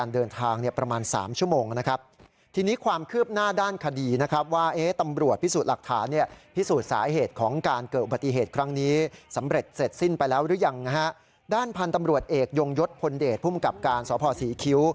ด้านพันธุ์ตำรวจเอกยงยศพลเดชภูมิกับการสพศรีคิ้ว